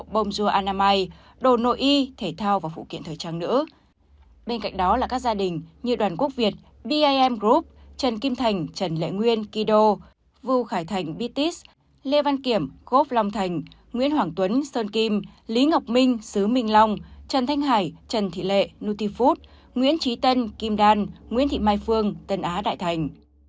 bên cạnh đó là các gia đình như đoàn quốc việt bam group trần kim thành trần lệ nguyên kido vưu khải thành bitis lê văn kiểm gop long thành nguyễn hoàng tuấn sơn kim lý ngọc minh sứ minh long trần thanh hải trần thị lệ nutifood nguyễn trí tân kim đan nguyễn thị mai phương tân á đại thành